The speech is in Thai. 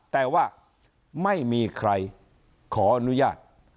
แต่ว่าไม่มีใครขออนุญาต